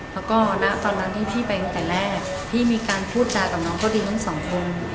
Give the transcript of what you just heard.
แล้วก็ณตอนนั้นที่พี่ไปตั้งแต่แรกพี่มีการพูดจากับน้องเขาดีทั้งสองคน